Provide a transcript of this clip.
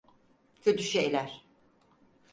Kötü şeyler.